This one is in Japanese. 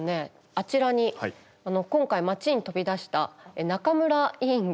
あちらに今回街に飛び出した中村委員がいるんです。